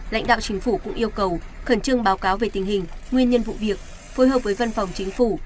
lãnh đạo chính phủ cũng yêu cầu khẩn trương báo cáo về tình hình nguyên nhân vụ việc phối hợp với văn phòng chính phủ